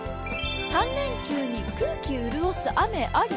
３連休に空気潤す雨あり？